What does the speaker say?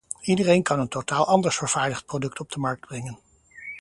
Iedereen kan een totaal anders vervaardigd product op de markt brengen.